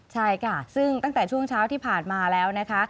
ใช่ค่ะซึ่งตั้งแต่ช่วงเช้าที่ผ่านมาแล้วนะคะ